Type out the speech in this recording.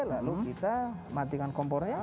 lalu kita matikan kompornya